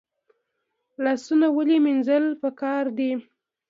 لاسونه ولې مینځل پکار دي؟